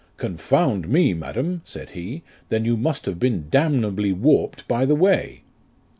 "Confound me, madam," said he, "then you must .have been damnably warped by the way."